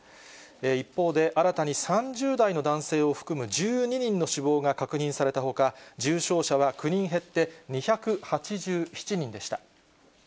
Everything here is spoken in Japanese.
一方で、新たに３０代の男性を含む１２人の死亡が確認されたほか、重症者は９人減って、２８７人でした。